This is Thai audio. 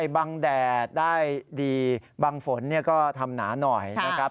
บางแดดได้ดีบางฝนก็ทำหนาหน่อยนะครับ